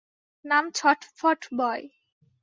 নাম ছটফট বয়।